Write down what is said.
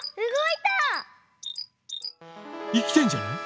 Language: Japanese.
いきてんじゃない？